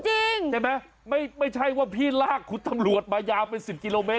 จริงใช่ไหมไม่ใช่ว่าพี่ลากคุณตำรวจมายาวเป็น๑๐กิโลเมต